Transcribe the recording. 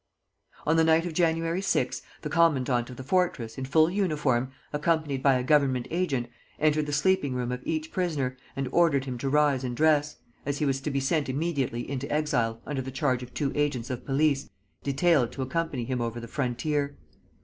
On the night of January 6, the commandant of the fortress, in full uniform, accompanied by a Government agent, entered the sleeping room of each prisoner, and ordered him to rise and dress, as he was to be sent immediately into exile under charge of two agents of police detailed to accompany him over the frontier.